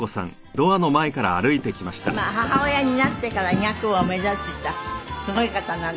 まあ母親になってから医学部を目指したすごい方なんです。